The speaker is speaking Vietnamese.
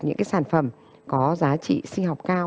những cái sản phẩm có giá trị sinh học cao